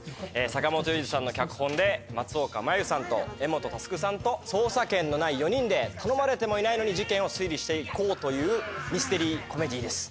坂元裕二さんの脚本で松岡茉優さんと柄本佑さんと捜査権のない４人で頼まれてもいないのに事件を推理して行こうというミステリーコメディーです。